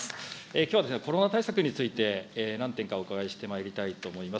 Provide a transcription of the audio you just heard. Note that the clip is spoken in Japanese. きょうはコロナ対策について何点かお伺いしてまいりたいと思います。